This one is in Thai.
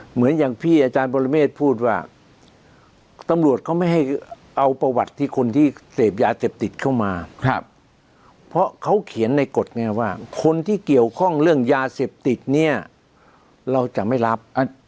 เหมือนอย่างพี่อาจารย์ปรเมฆพูดว่าตำรวจเขาไม่ให้เอาประวัติที่คนที่เสพยาเสพติดเข้ามาเพราะเขาเขียนในกฎไงว่าคนที่เกี่ยวข้องเรื่องยาเสพติดเนี่ยเราจะไม่รับ